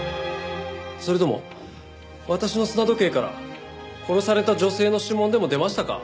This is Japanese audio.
それとも私の砂時計から殺された女性の指紋でも出ましたか？